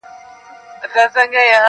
که یې لمبو دي ځالګۍ سوځلي-